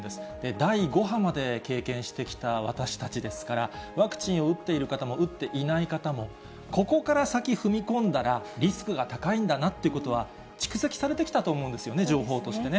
第５波まで経験してきた私たちですから、ワクチンを打っている方も打っていない方も、ここから先、踏み込んだらリスクが高いんだなということは、蓄積されてきたと思うんですよね、情報としてね。